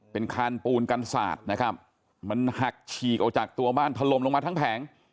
เป็นคานปูนกันศาสตร์นะครับมันหักฉีกออกจากตัวบ้านถล่มลงมาทั้งแผง